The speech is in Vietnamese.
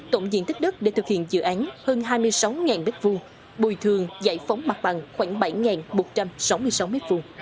tổng diện tích đất để thực hiện dự án hơn hai mươi sáu m hai bồi thường giải phóng mặt bằng khoảng bảy một trăm sáu mươi sáu m hai